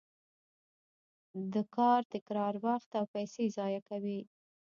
د کار تکرار وخت او پیسې ضایع کوي.